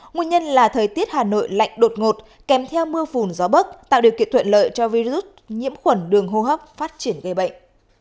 nguyên nhân là thời tiết hà nội lạnh đột ngột kèm theo mưa phùn gió bắc tạo điều kiện thuận lợi cho virus nhiễm khuẩn đường hô hấp phát triển gây bệnh